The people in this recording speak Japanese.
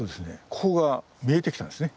ここが見えてきたんですね。